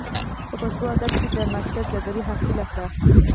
پۀ پښتو ادب کښې د ماسټر ډګري حاصله کړه ۔